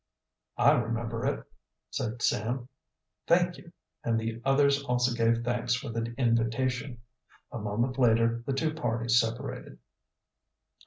"I remember it," said Sam. "Thank you," and the others also gave thanks for the invitation. A moment later the two parties separated.